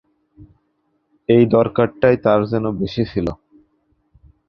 এই দরকারটাই তার যেন বেশি ছিল।